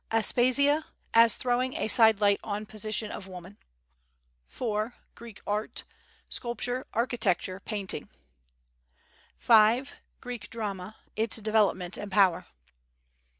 Aspasia, as throwing a side light on position of woman. 4. Greek art sculpture, architecture, painting. 5. Greek drama: its development and power.